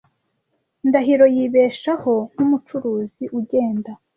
Ndahiro yibeshaho nkumucuruzi ugenda.